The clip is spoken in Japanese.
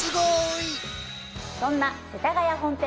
そんな世田谷本店